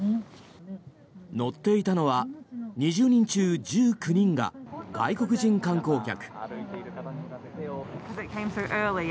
乗っていたのは２０人中１９人が外国人観光客。